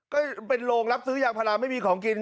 ก็เป็นโรงรับซื้อยางพาราไม่มีของกิน